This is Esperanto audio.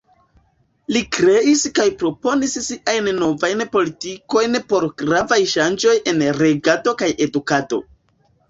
Li kreis kaj proponis siajn Novajn Politikojn por gravaj ŝanĝoj en regado kaj edukado.